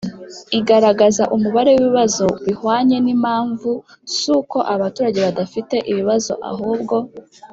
igaragaza umubare w ibibazo bihwanye na Impamvu si uko abaturage badafite ibibazo ahubwo